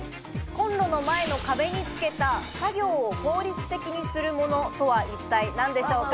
コンロの前の壁につけた作業を効率的にするものとは一体何でしょうか？